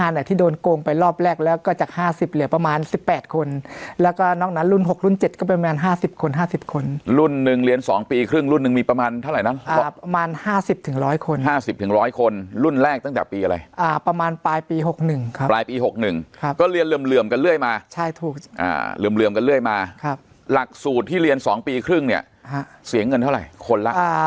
หนึ่งห้าสิบคนรุ่นหนึ่งเรียนสองปีครึ่งรุ่นนึงมีประมาณเท่าไรน่ะอ่าประมาณห้าสิบถึงร้อยคนห้าสิบถึงร้อยคนรุ่นแรกตั้งจากปีอะไรอ่าประมาณปลายปีหกหนึ่งครับปลายปีหกหนึ่งครับก็เรียนเหลื่อมเหลื่อมกันเรื่อยมาใช่ถูกอ่าเหลื่อมเหลื่อมกันเรื่อยมาครับหลักสูตรที่เรียนสองปีครึ่งเนี้ยฮะเสียเงิน